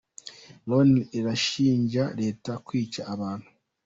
Loni irashinja Leta kwica abantu